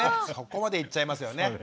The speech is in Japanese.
そこまでいっちゃいますよね。